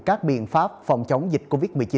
các biện pháp phòng chống dịch covid một mươi chín